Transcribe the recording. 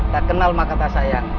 tak kenal mah kata saya